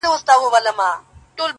زما ياران اوس په دې شكل سـوله.